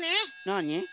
なに？